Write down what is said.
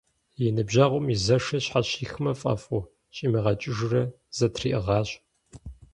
И ныбжьэгъум и зэшыр щхьэщихмэ фӏэфӏу, щӏимыгъэкӏыжурэ зэтриӏыгъащ.